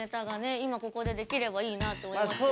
今ここで出来ればいいなと思いますけどね。